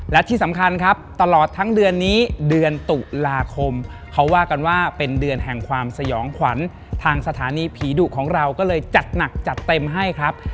และที่สำคัญครับตลอดทั้งเดือนนี้เดือนตุลาคมเขาว่ากันว่าเป็นเดือนแห่งความสยองขวัญทางสถานีผีดุของเราก็เลยจัดหนักจัดเต็มให้ครับ